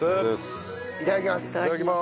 いただきます。